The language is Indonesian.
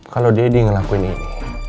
kalau daddy ngelakuin ini